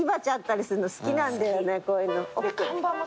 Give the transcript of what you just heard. こういうの。